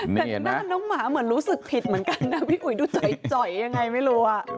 แต่หน้าน้องหมาเหมือนรู้สึกผิดเหมือนกันนะพี่อุ๋ยดูจ่อยยังไงไม่รู้